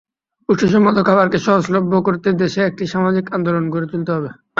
পুষ্টিসম্মত খাবারকে সহজলভ্য করতে দেশে একটি সামাজিক আন্দোলন গড়ে তুলতে হবে।